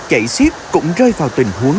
chảy xiết cũng rơi vào tình huống